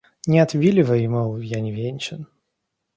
Не отвиливай — мол, я не венчан.